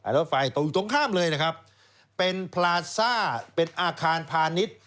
รถไฟตกอยู่ตรงข้ามเลยนะครับเป็นพลาซ่าเป็นอาคารพาณิชย์